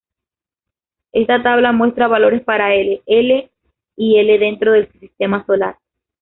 Esta tabla muestra valores para L, L y L dentro del sistema solar.